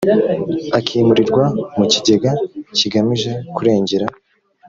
akimurirwa mu kigega kigamije kurengera